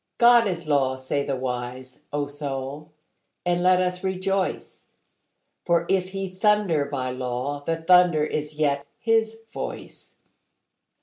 God is law, say the wise; O Soul, and let us rejoice, For if He thunder by law the thunder is yet His voice.